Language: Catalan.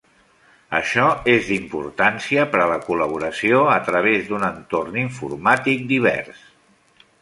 Això és d'importància per a la col·laboració a través d'un entorn informàtic divers.